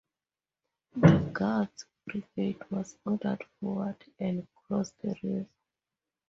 The Guards' Brigade was ordered forward, and crossed the river.